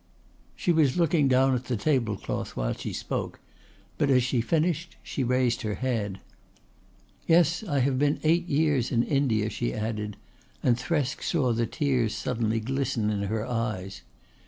She was looking down at the tablecloth while she spoke, but as she finished she raised her head. "Yes, I have been eight years in India," she added, and Thresk saw the tears suddenly glisten in her eyes.